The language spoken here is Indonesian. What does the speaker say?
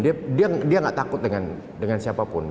dia tidak takut dengan siapa pun